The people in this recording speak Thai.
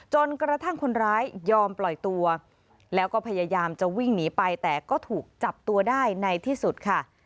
จนกระทั่งคนร้ายยอมปล่อยตัวแล้วก็พยายามจะวิ่งหนีไปแต่ก็ถูกจับตัวได้ในที่สุดค่ะ